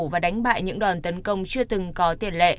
và đánh bại những đòn tấn công chưa tới